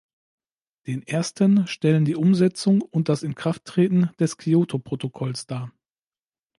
Den ersten stellen die Umsetzung und das Inkrafttreten des Kyoto-Protokolls dar.